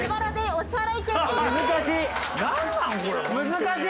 難しい！